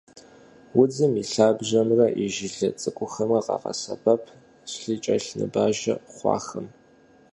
Удзым и лъабжьэмрэ и жылэ цӏыкӏухэмрэ къагъэсэбэп лъыкӏэлъныбажэ хъуахэм.